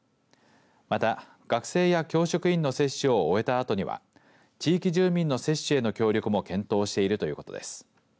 また、学生や教職員の接種を終えたあとには地域住民の接種への協力も検討しているということです。